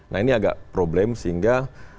nah ini agak problem sehingga